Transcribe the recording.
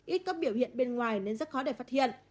ít các biểu hiện bên ngoài nên rất khó để phát hiện